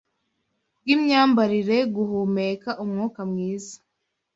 bw’imyambarire, guhumeka umwuka mwiza